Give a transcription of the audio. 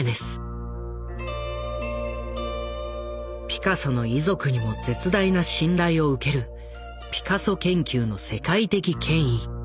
ピカソの遺族にも絶大な信頼を受けるピカソ研究の世界的権威。